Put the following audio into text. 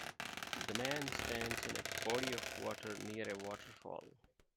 The man stands in a body of water near a waterfall.